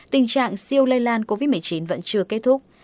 tình trạng siêu lây lan covid một mươi chín vẫn chưa kết thúc